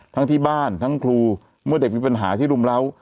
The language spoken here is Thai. ทั้งที่บ้านทั้งครูเมื่อเด็กมีปัญหาที่รุมเล้า